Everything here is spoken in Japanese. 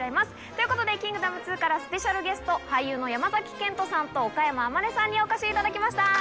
ということで『キングダム２』からスペシャルゲスト俳優の山賢人さんと岡山天音さんにお越しいただきました。